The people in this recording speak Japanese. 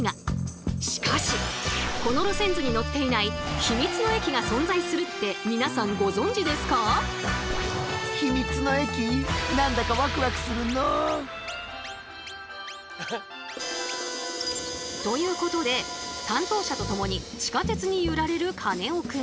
しかしこの路線図に載っていないヒミツの駅が存在するって皆さんご存じですか？ということで担当者と共に地下鉄に揺られるカネオくん。